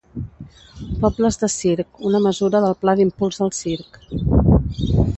Pobles de Circ, una mesura del Pla d'Impuls al Circ.